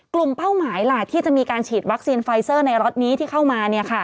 เป้าหมายล่ะที่จะมีการฉีดวัคซีนไฟเซอร์ในล็อตนี้ที่เข้ามา